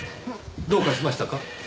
どうかしましたか？